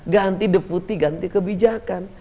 ganti deputi ganti kebijakan